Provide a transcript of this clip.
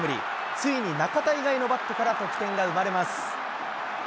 ついに中田以外のバットから得点が生まれます。